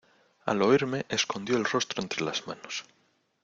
al oírme escondió el rostro entre las manos: